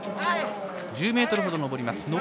１０ｍほど上ります。